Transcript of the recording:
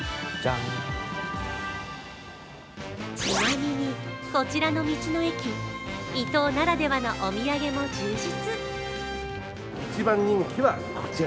ちなみに、こちらの道の駅伊東ならではのお土産も充実。